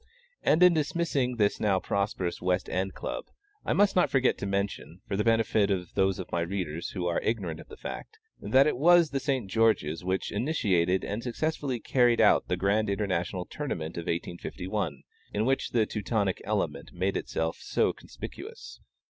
And in dismissing this now prosperous West End Club, I must not forget to mention, for the benefit of those of my readers who are ignorant of the fact, that it was the St. George's which initiated and successfully carried out the Grand International Tournament of 1851, in which the Teutonic element made itself so conspicuous.